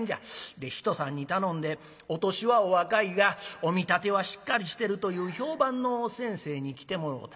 で人さんに頼んでお年はお若いがお見立てはしっかりしてるという評判の先生に来てもろうた。